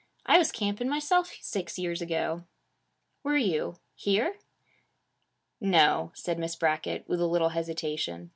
I was camping myself six years ago.' 'Were you? Here?' 'No,' said Miss Brackett, with a little hesitation.